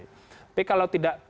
tapi kalau tidak